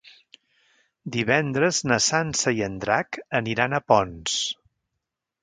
Divendres na Sança i en Drac aniran a Ponts.